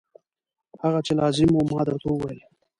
هغه چې لازم و ما درته وویل.